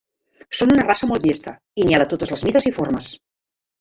Són una raça molt llesta i n'hi ha de totes les mides i formes.